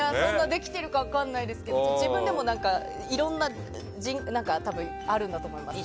できてるか分からないですけど自分でもいろんな何かがあるんだと思います。